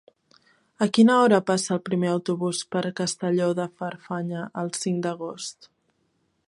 A quina hora passa el primer autobús per Castelló de Farfanya el cinc d'agost?